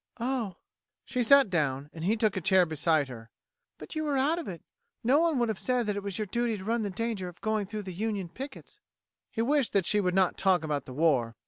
"Oh." She sat down and he took a chair beside her. "But you were out of it. No one would have said that it was your duty to run the danger of going through the Union pickets." He wished that she would not talk about the war.